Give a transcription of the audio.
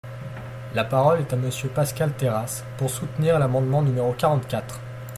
La parole est à Monsieur Pascal Terrasse, pour soutenir l’amendement numéro quarante-quatre.